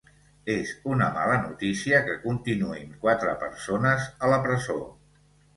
És una mala notícia que continuïn quatre persones a la presó.